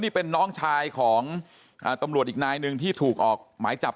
นี่เป็นน้องชายของตำรวจอีกนายหนึ่งที่ถูกออกหมายจับ